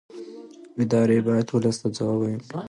ادارې باید ولس ته ځواب ویونکې وي